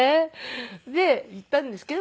で言ったんですけど